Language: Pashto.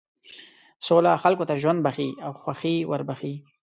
سوله خلکو ته ژوند بښي او خوښي وربښي.